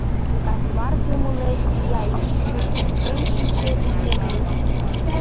Кас марте, умылет, ия икшыве, сукен шинче, библийым луд!